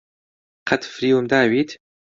قەت فریوم داویت؟